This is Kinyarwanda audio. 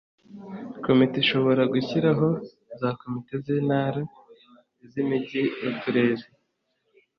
komite ishobora gushyiraho za komite z'intara, iz' imijyi n' uturere